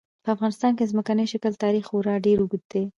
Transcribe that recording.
په افغانستان کې د ځمکني شکل تاریخ خورا ډېر اوږد دی.